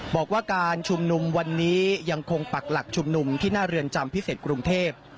บอกว่าการชุมนุมวันนี้ยังคงปักหลักชุมนุมที่หน้าเรือนจำพิเศษกรุงเทพ